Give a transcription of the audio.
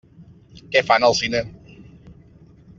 Què fan al cine?